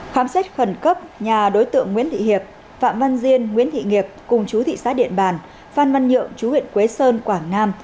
khám xét khẩn cấp nhà đối tượng nguyễn thị hiệp phạm văn diên nguyễn thị nghiệp cùng chú thị xã điện bàn phan văn nhượng chú huyện quế sơn quảng nam